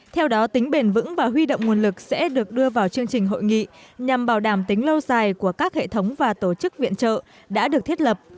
theo đó tính bền vững và huy động nguồn lực sẽ được đưa vào chương trình hội nghị nhằm bảo đảm tính lâu dài của các hệ thống và tổ chức viện trợ đã được thiết lập